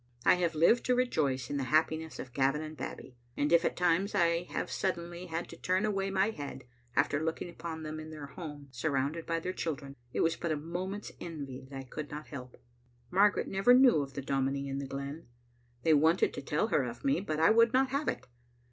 I have lived to rejoice in the hap piness of Gavin and Babbie : and if at times I have sud denly had to turn away my head after looking upon them in their home surrounded by their children, it was but a moment's envy that I could not help. Margaret never knew of the dominie in the glen. They wanted to tell her of me, but I would not have it.